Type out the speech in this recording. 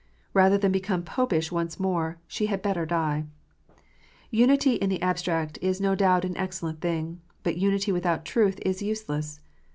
Rather than become Popish once more, she had better die ! Unity in the abstract is no doubt an excellent thing : but unity without truth is useless.